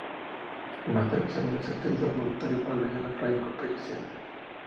Más tarde ese año se hizo voluntario para la Guerra franco-prusiana.